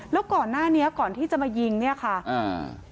แล้วก่อนหน้านี้ก่อนที่จะมายิงเนี้ยค่ะอ่า